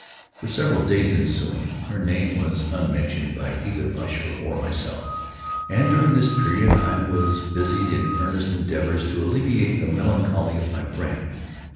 For several days ensuing, her name was unmentioned by either Usher or myself; and during this period I was busied in earnest endeavors to alleviate the melancholy of my friend.